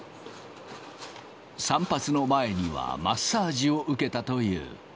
散髪の前にはマッサージを受けたという。